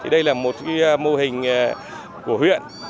đây là một mô hình của huyện